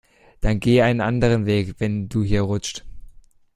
Dann geh einen anderen Weg, wenn du hier rutscht.